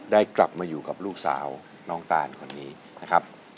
ได้กลับมาอยู่กับลูกสาวน้องตานคนนี้นะครับ